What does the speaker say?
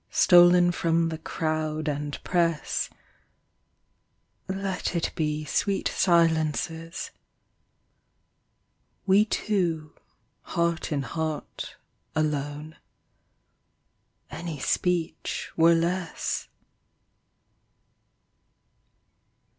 Stolen from the crowd and press, Let it be sweet silence's. We two, heart in heart, alone ; Any speech were less.